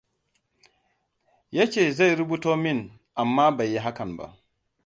Ya ce zai rubuto min, amma bai yi hakan ba.